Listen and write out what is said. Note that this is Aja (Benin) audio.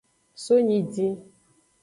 So nyidin.